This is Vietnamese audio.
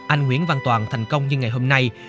anh nguyễn văn toàn thành công như ngày hôm nay